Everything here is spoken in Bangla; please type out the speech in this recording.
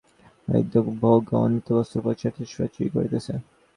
এই মানুষের আত্মা পার্থিব ইন্দ্রিয়ভোগ ও অনিত্য বস্তুর পশ্চাতে ছুটাছুটি করিতেছে।